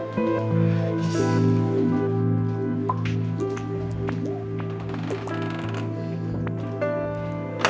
โปรดติดตามตอนต่อไป